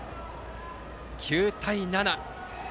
９対７。